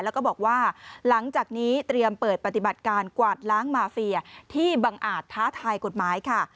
แล้วก็บอกว่าหลังจากนี้เตรียมเปิดปฏิบัติการกวาดล้างมาเฟียที่บังอาจท้าทายกฎหมายค่ะ